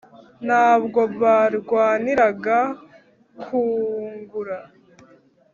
nta bwo barwaniraga kwungura